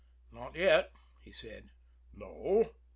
"Not yet," he said. "No?"